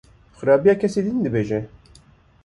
Xerabiya kesên din dibêje.